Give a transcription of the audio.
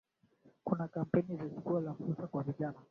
Kuna kampeni ya Jukwaa la Fursa kwa Vijana